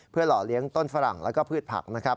หล่อเลี้ยงต้นฝรั่งแล้วก็พืชผักนะครับ